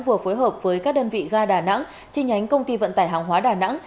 vừa phối hợp với các đơn vị ga đà nẵng chi nhánh công ty vận tải hàng hóa đà nẵng